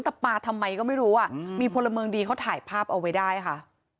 แต่ปลาทำไมก็ไม่รู้อ่ะมีพลเมืองดีเขาถ่ายภาพเอาไว้ได้ค่ะ